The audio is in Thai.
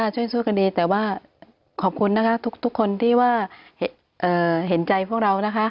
ช่วยกันดีแต่ว่าขอบคุณนะคะทุกคนที่ว่าเห็นใจพวกเรานะคะ